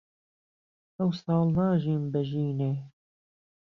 ئەوساڵ ناژیم بە ژینێ